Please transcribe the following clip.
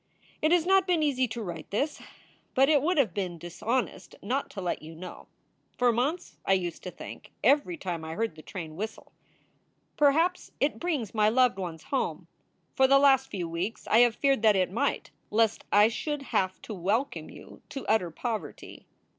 It has not been easy to write this, but it would have been dis honest not to let you know. For months I used to think, every time I heard the train whistle: Perhaps it brings my loved ones home. For the last few weeks I have feared that it might, lest I should have to welcome you to utter poverty.